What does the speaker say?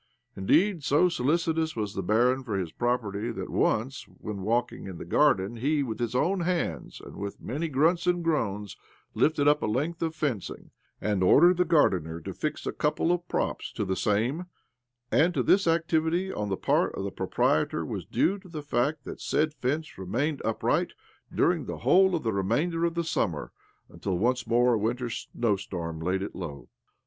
Indeed, so solicitous was the barin for his property that once, when walking in the garden, he, with his own hands, and with many grunts 9 ізо OBLOMOV and groans, lifted up a length of fencing, and ordered the gardener to fix a couple of props to the same ; and to this activity on the part of the proprietor was due the fact that the said fence remained upwright during the whole of the remainder of the summer —until once more a winter snowstorm laid it low.